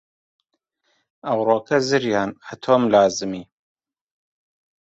ئهوڕۆکه زریان ئهتۆم لازمی